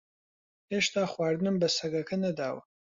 ھێشتا خواردنم بە سەگەکە نەداوە.